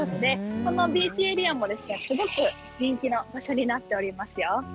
このビーチエリアもすごく人気の場所になっていますよ。